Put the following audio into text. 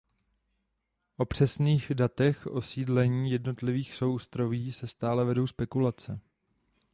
O přesných datech osídlení jednotlivých souostroví se stále vedou spekulace.